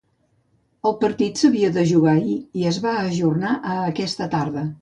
El partit s’havia de jugar ahir i es va ajornar a aquesta tarda.